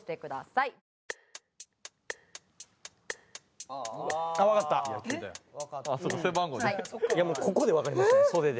いやもうここでわかりましたね袖で。